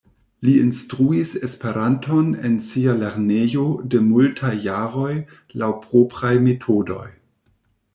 Li instruis Esperanton en sia lernejo de multaj jaroj laŭ propraj metodoj.